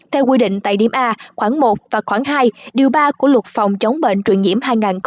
theo quy định tại điểm a khoảng một và khoảng hai điều ba của luật phòng chống bệnh truyền nhiễm hai nghìn một mươi